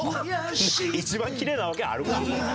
「一番キレイなわけあるか！」